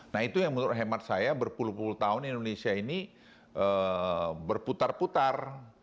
nah itu yang menurut hemat saya berpuluh puluh tahun indonesia ini berputar putar